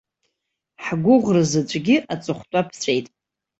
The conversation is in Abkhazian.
Ҳгәыӷра заҵәгьы аҵыхәтәа ԥҵәеит!